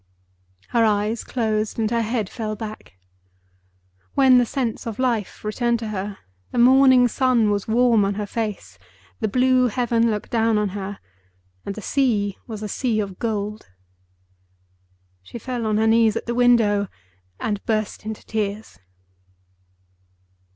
Her eyes closed, and her head fell back. When the sense of life returned to her, the morning sun was warm on her face—the blue heaven looked down on her—and the sea was a sea of gold. She fell on her knees at the window and burst into tears.